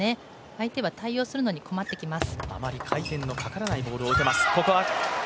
相手は対応するのに困ってきます。